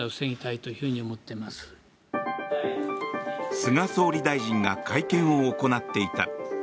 菅総理大臣が会見を行っていた。